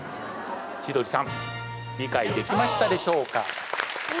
千鳥さん理解できましたでしょうか？